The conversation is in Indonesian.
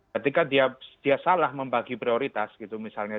ketika dia salah membagi prioritas gitu misalnya